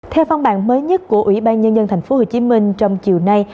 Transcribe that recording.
theo văn bản mới nhất của ủy ban nhân dân tp hcm trong chiều nay